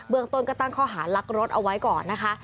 เมืองต้นก็ตั้งข้อหารักรถเอาไว้ก่อนนะคะ